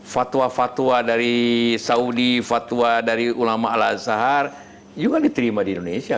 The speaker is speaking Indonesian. fatwa fatwa dari saudi fatwa dari ulama al azhar juga diterima di indonesia